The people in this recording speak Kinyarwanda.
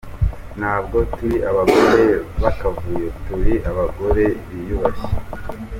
‘Ntabwo turi abagore b’akavuyo, turi abagore biyubashye’.